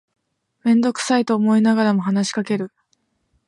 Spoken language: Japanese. めんどくさいと思いながらも話しかける